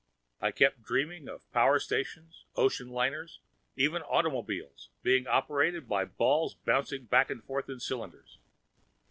I kept dreaming of power stations, ocean liners, even automobiles, being operated by balls bouncing back and forth in cylinders.